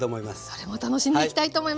それも楽しんでいきたいと思います。